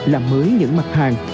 làm mới những mặt hàng